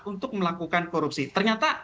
untuk melakukan korupsi ternyata